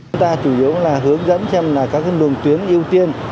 chúng ta chủ yếu là hướng dẫn xem là các luồng tuyến ưu tiên